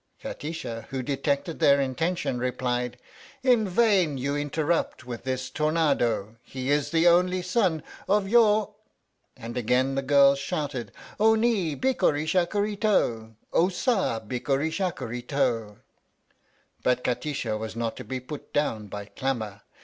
Kati sha, who detected their intention, replied: In vain you interrupt with this tornado! He is the only son of your and again the girls shouted: O ni, bikkuri shakkuri to! O sa, bikkuri shakkuri to! But Kati sha was not to be put down by clamour.